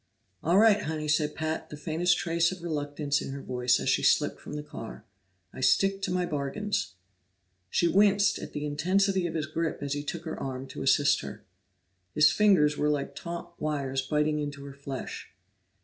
"All right, Honey," said Pat the faintest trace of reluctance in her voice as she slipped from the car. "I stick to my bargains." She winced at the intensity of his grip as he took her arm to assist her. His fingers were like taunt wires biting into her flesh.